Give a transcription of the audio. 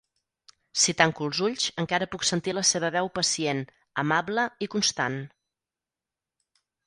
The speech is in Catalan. Si tanco els ulls encara puc sentir la seva veu pacient, amable i constant.